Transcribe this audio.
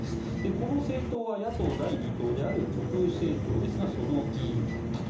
この政党は野党第２党である極右政党ですがその議員だったと。